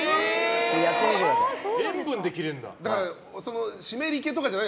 やってみてください。